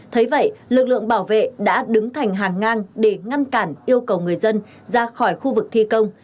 thấy vậy lực lượng bảo vệ đã đứng thành hàng ngang để ngăn cản yêu cầu người dân ra khỏi khu vực thi công